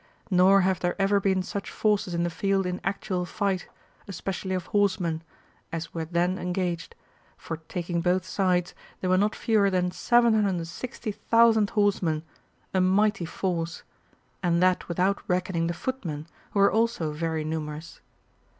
Nor have there ever been such forces in the field in actual fight, especially of horsemen, as were then en gaged — for, taking both sides, there were not fewer than 760,000 horsemen, a mighty force ! and that without reckoning the footmen, who were also very numerous.